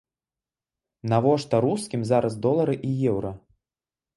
Навошта рускім зараз долары і еўра?